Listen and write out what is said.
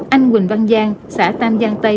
anh quỳnh văn giang xã tam giang tây